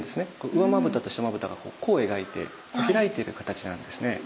上まぶたと下まぶたが弧を描いて開いている形なんですね。